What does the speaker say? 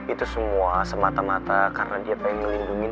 itu semua semata mata karena dia pengen ngelindungin tuan putrinya